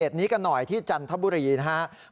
นี้กันหน่อยที่จันทบุรีนะครับ